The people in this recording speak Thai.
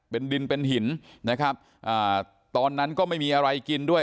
เป็นดินเป็นหินนะครับอ่าตอนนั้นก็ไม่มีอะไรกินด้วย